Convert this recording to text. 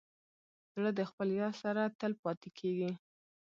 زړه د خپل یار سره تل پاتې کېږي.